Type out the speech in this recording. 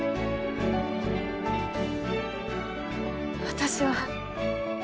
私は。